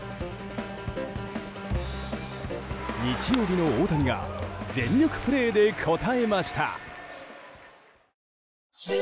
日曜日の大谷が全力プレーで応えました。